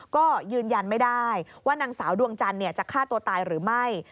ก็ยืนยันไม่ได้ว่านางสาวดวงจันทร์จะฆ่าตัวตายหรือไม่